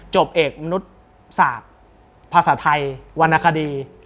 จบเอกมนุษย์ศาสตร์ภาษาไทยวรรณคดี